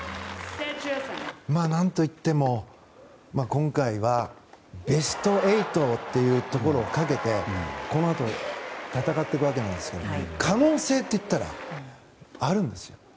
何といっても、今回はベスト８というところをかけてこのあと戦っていくわけなんですけど可能性といったらあるんですよ。